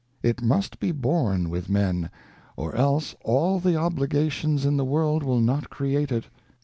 It must be born with Men, or else all the Obligations in the World will not create it.